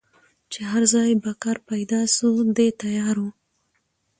چي هر ځای به کار پیدا سو دی تیار وو